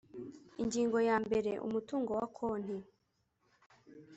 ingingo ya mbere umutungo wa konti